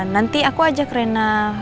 nanti aku ajak reina